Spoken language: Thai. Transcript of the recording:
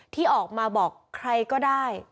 ที่ออกมาบอกใครก็ได้